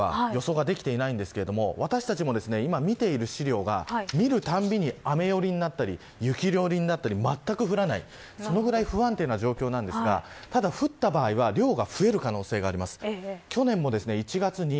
まだ積雪の量までの予想はできていませんが私たちも、今見ている資料が見るたんびに雨寄りなったり雪寄りになったり全く降らない、そのぐらい不安定な状況ですが降った場合は量が増える可能性があります。